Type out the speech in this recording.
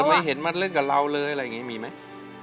ไม่เห็นมาเล่นกับเราเลยอะไรอย่างนี้มีไหม